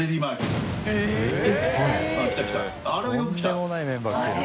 とんでもないメンバー来てる。